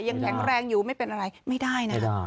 ยังแข็งแรงอยู่ไม่เป็นอะไรไม่ได้นะ